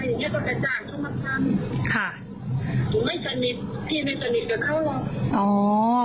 อะไรก็จะจัดเข้ามาทำไม่สนิทพี่ไม่สนิทกับเขาหรอก